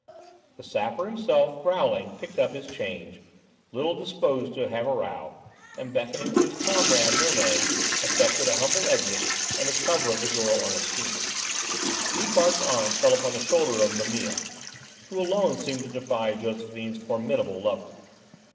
The Sapper himself, growling, picked up his change, little disposed to have a row, and beckoning to his comrade, Nonet, effected a humble exit under cover of the girl Ernestine. Loupart's arm fell upon the shoulder of Mimile, who alone seemed to defy Josephine's formidable lover.